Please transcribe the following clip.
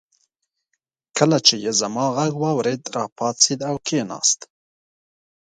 کله چې يې زما غږ واورېد راپاڅېد او کېناست.